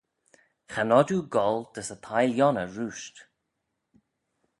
Cha nod oo goll dys y thie-lhionney rooisht.